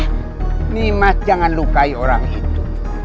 ini mas jangan lukai orang itu